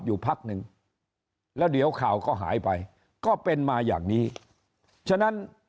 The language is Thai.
อยู่พักหนึ่งแล้วเดี๋ยวข่าวก็หายไปก็เป็นมาอย่างนี้ฉะนั้น